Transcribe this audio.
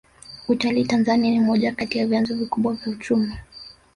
utalii tanzania ni moja kati ya vyanzo vikubwa vya uchumi